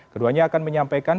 keduanya akan menyampaikan